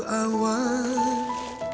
aku akan pergi